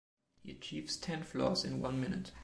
He achieves ten floors in one minute.